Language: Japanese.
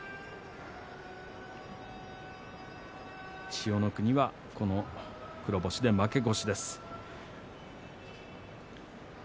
千代の国は黒星で負け越しです。